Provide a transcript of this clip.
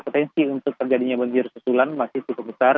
potensi untuk terjadinya banjir susulan masih cukup besar